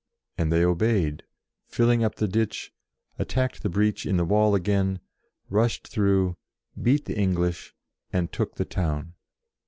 and they obeyed, filled up the ditch, attacked the breach in the wall again, rushed through, beat the English, and took the town.